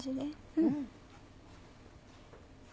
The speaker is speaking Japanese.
うん。